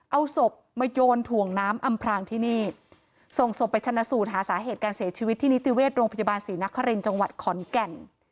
เอาศพมาโยนถ่วงน้ำอำพรางที่นี่ส่งศพไปชนะสูตรหาสาเหตุการเสียชีวิตที่นิติเวชโรงพยาบาลศรีนครินทร์จังหวัดขอนแก่น